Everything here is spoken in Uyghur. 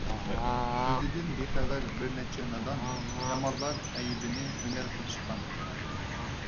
ئۆزىدىن بىخەۋەر بىرنەچچە نادان، يامانلار ئەيىبىنى ھۈنەر قىلىشقان.